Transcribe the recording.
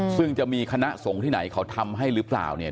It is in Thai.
ซึ่งจะมีคณะสงฆ์ที่ไหนเขาทำให้หรือเปล่าเนี่ย